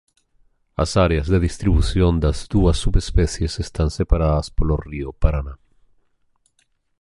As áreas de distribución das dúas subespecies están separadas polo río Paraná.